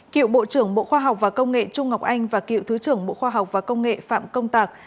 cựu bộ trưởng bộ khoa học và công nghệ trung ngọc anh và cựu thứ trưởng bộ khoa học và công nghệ phạm công tạc